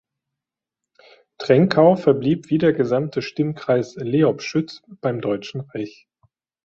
Trenkau verblieb wie der gesamte Stimmkreis Leobschütz beim Deutschen Reich.